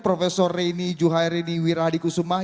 profesor reni juhairini wirahadikusumah